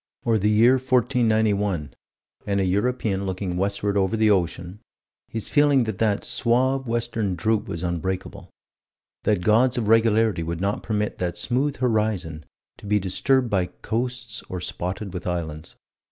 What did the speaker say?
Or the year 1491 and a European looking westward over the ocean his feeling that that suave western droop was unbreakable; that gods of regularity would not permit that smooth horizon to be disturbed by coasts or spotted with islands.